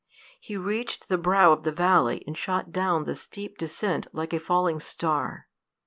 He reached the brow of the valley, and shot down the steep descent like a falling star.